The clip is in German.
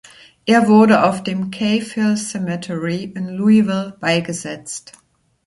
Er wurde auf dem Cave Hill Cemetery in Louisville beigesetzt.